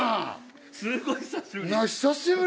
すごい久しぶり。